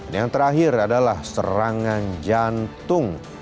dan yang terakhir adalah serangan jantung